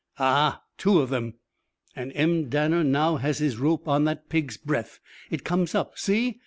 "Ahaaa! Two of them! And M. Danner now has his rope on that pig's breath. It comes up. See!